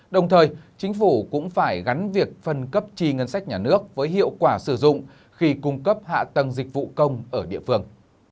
đồng thời chính phủ cũng phải gắn việc phân cấp chi ngân sách nhà nước với hiệu quả sử dụng khi cung cấp hạ tầng dịch vụ công ở địa phương